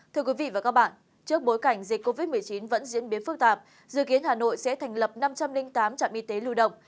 thưa quý vị và các bạn trước bối cảnh dịch covid một mươi chín vẫn diễn biến phức tạp dự kiến hà nội sẽ thành lập năm trăm linh tám trạm y tế lưu động